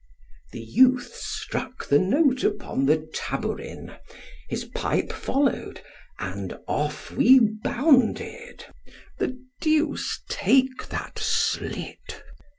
The youth struck the note upon the tabourin—his pipe followed, and off we bounded——"the duce take that slit!"